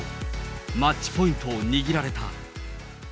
マッチポイントを握られた。